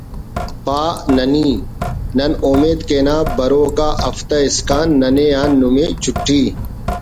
پا…… نہ نی …… نن اومیت کینہ بروک آ ہفتہ اسکان ننے آ نما چٹھی